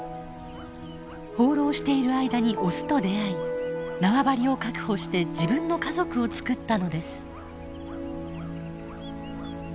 放浪している間にオスと出会い縄張りを確保して自分の家族をつくったのです。